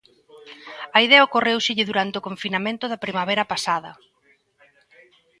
A idea ocorréuselle durante o confinamento da primavera pasada.